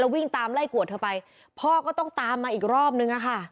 วิ่งตามไล่กวดเธอไปพ่อก็ต้องตามมาอีกรอบนึงอะค่ะ